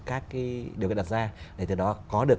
các điều đặt ra để từ đó có được